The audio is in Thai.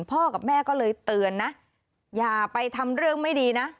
กับแม่ก็เลยเตือนนะอย่าไปทำเรื่องไม่ดีนะ